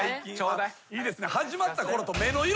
いいですね。